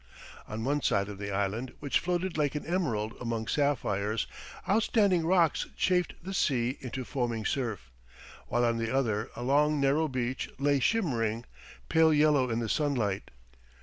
On one side of the island, which floated like an emerald among sapphires, outstanding rocks chafed the seas into foaming surf, while on the other a long, narrow beach lay shimmering, pale yellow in the sunlight.